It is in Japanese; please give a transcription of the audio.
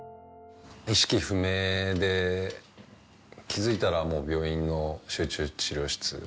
意識不明で気づいたらもう病院の集中治療室。